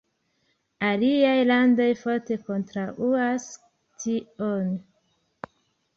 Aliaj landoj forte kontraŭas tion.